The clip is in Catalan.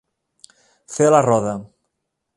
Fer la roda.